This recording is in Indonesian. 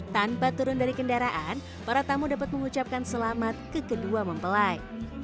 tanpa turun dari kendaraan para tamu dapat mengucapkan selamat ke kedua mempelai